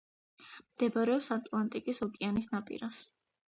მდებარეობს ატლანტის ოკეანის ნაპირას.